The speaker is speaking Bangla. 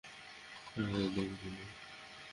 ধরে দেখবি শুধু?